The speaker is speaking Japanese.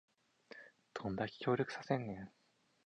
どんだけ協力させんねん